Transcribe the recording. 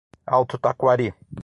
Alto Taquari